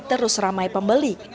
terus ramai pembeli